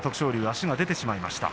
足が出てしまいました。